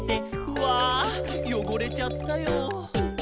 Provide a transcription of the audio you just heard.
「うぁよごれちゃったよ」